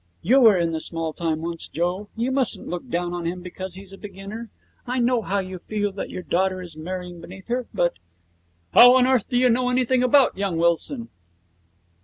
'You were in the small time once, Joe. You mustn't look down on him because he's a beginner. I know you feel that your daughter is marrying beneath her, but ' 'How on earth do you know anything about young Wilson?